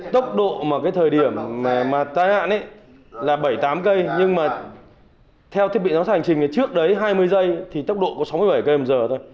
tốc độ mà cái thời điểm mà tài nạn ấy là bảy tám km nhưng mà theo thiết bị giám sát hành trình thì trước đấy hai mươi giây thì tốc độ có sáu mươi bảy kmh thôi